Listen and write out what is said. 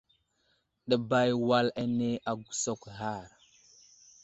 Ɗəbay wal ane agusakw ghar.